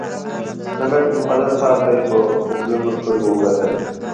د بیت المقدس ښار ته یې په اوښلنو سترګو وکتل.